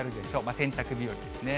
洗濯日和ですね。